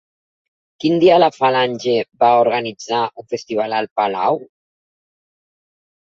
Quin dia la Falange va organitzar un festival al Palau?